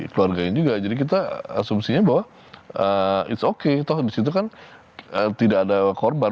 keluarganya juga jadi kita asumsinya bahwa it s oke toh disitu kan tidak ada korban